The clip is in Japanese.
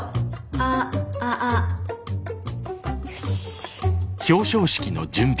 あああ。よし。